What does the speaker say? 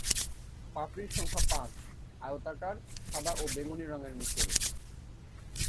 পাপড়ির সংখ্যা পাঁচ, আয়তাকার, সাদা ও বেগুনি রঙের মিশেল।